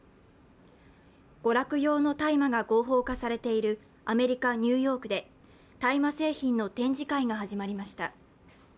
娯楽用の大麻が合法化されているアメリカ・ニューヨークで大麻製品の展示会が始まりました。